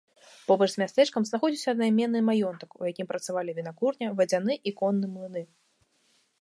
Побач з мястэчкам знаходзіўся аднайменны маёнтак, у якім працавалі вінакурня, вадзяны і конны млыны.